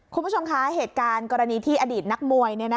คุณผู้ชมคะเหตุการณ์กรณีที่อดีตนักมวย